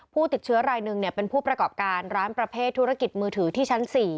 ผู้ติดเชื้อรายหนึ่งเป็นผู้ประกอบการร้านประเภทธุรกิจมือถือที่ชั้น๔